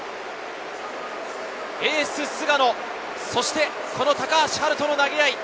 エース・菅野、そしてこの高橋遥人の投げ合い。